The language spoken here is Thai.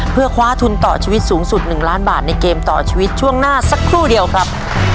เพื่อคว้าทุนต่อชีวิตสูงสุด๑ล้านบาทในเกมต่อชีวิตช่วงหน้าสักครู่เดียวครับ